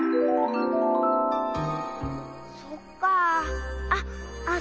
そっかあ。